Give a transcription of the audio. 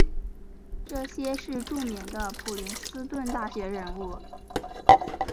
这些是著名的普林斯顿大学人物。